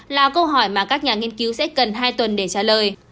là câu hỏi mà các nhà nghiên cứu sẽ cần hai tuần để trả lời